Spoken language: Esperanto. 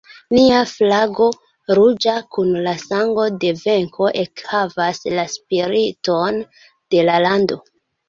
Nia flago, ruĝa kun la sango de venko, ekhavas la spiriton de la lando.